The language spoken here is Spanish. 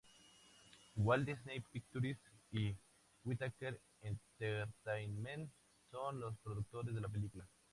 Walt Disney Pictures y Whitaker Entertainment son los productores de la película.